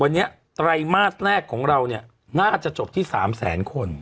วันนี้ไตรมาสแรกของเราเนี่ยน่าจะจบที่๓แสนคน